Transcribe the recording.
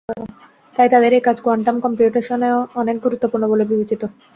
তাই তাঁদের এই কাজ কোয়ান্টাম কম্পিউটেশনেও অনেক গুরুত্বপূর্ণ বলে বিবেচিত।